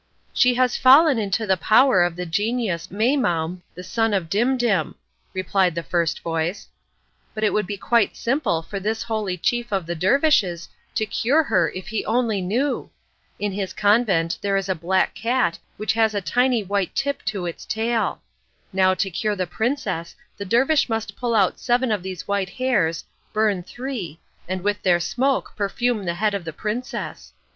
"She has fallen into the power of the genius Maimoum, the son of Dimdim," replied the first voice. "But it would be quite simple for this holy chief of the dervishes to cure her if he only knew! In his convent there is a black cat which has a tiny white tip to its tail. Now to cure the princess the dervish must pull out seven of these white hairs, burn three, and with their smoke perfume the head of the princess.